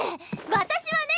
私はね。